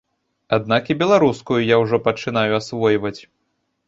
Аднак і беларускую я ўжо пачынаю асвойваць.